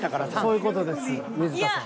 そういう事です水田さん。